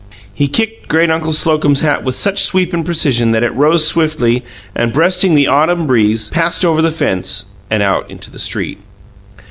He kicked great uncle Slocum's hat with such sweep and precision that it rose swiftly, and, breasting the autumn breeze, passed over the fence and out into the street.